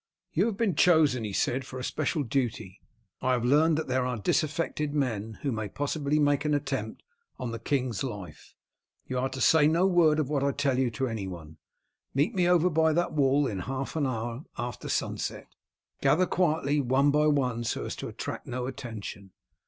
"You have been chosen," he said, "for a special duty. I have learned that there are disaffected men who may possibly make an attempt on the king's life. You are to say no word of what I tell you to anyone. Meet me over by that wall half an hour after sunset. Gather quietly one by one so as to attract no attention.